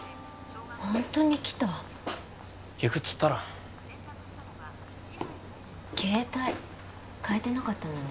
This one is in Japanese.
ホントに来た行くっつったろ携帯変えてなかったんだね